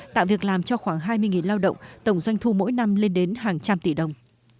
tạo việc làm cho khoảng hai mươi lao động tổng doanh thu mỗi năm lên đến hàng trăm tỷ đồng